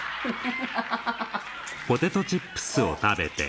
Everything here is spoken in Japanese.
ハハハハ。